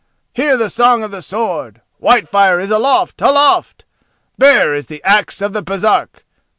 Hear the song of the sword! Whitefire is aloft—aloft! Bare is the axe of the Baresark!